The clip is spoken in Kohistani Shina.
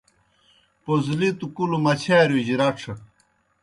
پوزلِتوْ کُلوْ مچھارِیؤجیْ رڇھ۔